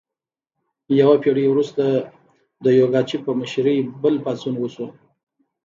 یوه پیړۍ وروسته د یوګاچف په مشرۍ بل پاڅون وشو.